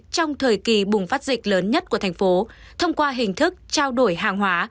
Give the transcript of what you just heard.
trong thời kỳ bùng phát dịch lớn nhất của thành phố thông qua hình thức trao đổi hàng hóa